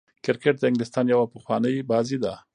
کرکټ د انګلستان يوه پخوانۍ بازي ده.